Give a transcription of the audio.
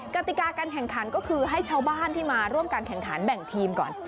กติกาการแข่งขันก็คือให้ชาวบ้านที่มาร่วมการแข่งขันแบ่งทีมก่อน